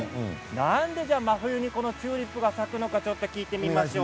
なんで真冬にチューリップが咲くのか聞いてみましょう。